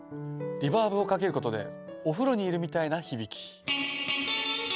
リバーブをかけることでお風呂にいるみたいな響き。